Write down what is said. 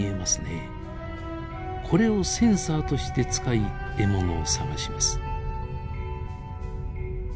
これをセンサーとして使い獲物を探します。